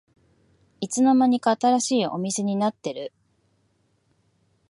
いつの間にか新しいお店になってる